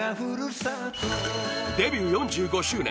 デビュー４５周年！